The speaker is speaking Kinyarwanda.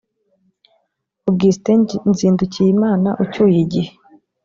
Augustin Nzindukiyimana ucyuye igihe